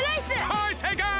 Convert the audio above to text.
はいせいかい！